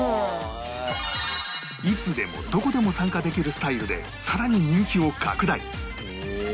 いつでもどこでも参加できるスタイルでさらに人気を拡大